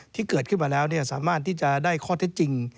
ที่เกิดขึ้นมาแล้วสามารถที่จะได้ข้อเท็จจริง